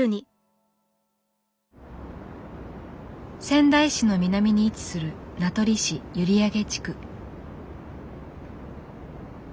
仙台市の南に位置する名取市閖上地区。